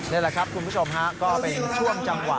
นี่แหละครับคุณผู้ชมฮะก็เป็นช่วงจังหวะ